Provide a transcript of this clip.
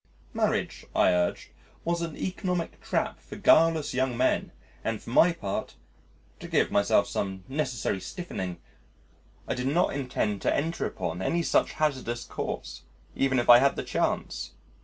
Marriage, I urged, was an economic trap for guileless young men, and for my part (to give myself some necessary stiffening) I did not intend to enter upon any such hazardous course, even if I had the chance.